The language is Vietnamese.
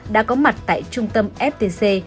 đã có mặt tại trung tâm ftc